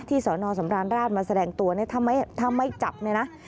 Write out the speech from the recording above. ที่สนสำราญราชมาแสดงตัวถ้าไม่จับนะ